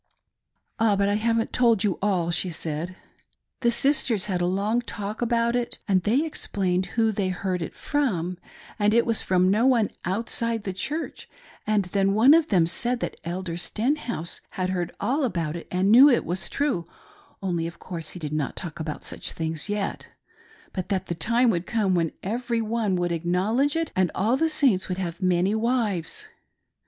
"Ah, but I haven't told you all," she said, " the sisters had a long talk about it and they explained who they heard it from, and it was from no one outside the Church ; and then one of them said that Elder Stenhouse had heard all about it and knew it was true, only of course he did not talk about such things yet ; but that the time would come when every one would acknowledge it, and all .the Saints would have many wives.